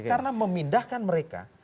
karena memindahkan mereka